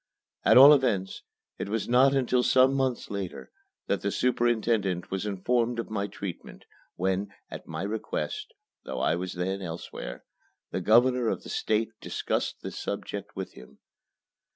At all events, it was not until some months later that the superintendent was informed of my treatment, when, at my request (though I was then elsewhere), the Governor of the State discussed the subject with him.